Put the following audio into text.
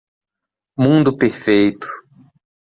Mundo perfeito.